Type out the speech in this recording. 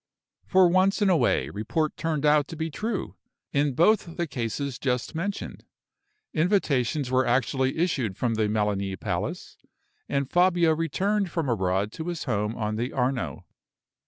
For once in a way, report turned out to be true, in both the cases just mentioned. Invitations were actually issued from the Melani Palace, and Fabio returned from abroad to his home on the Arno.